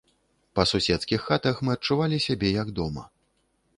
Па суседскіх хатах мы адчувалі сябе, як дома.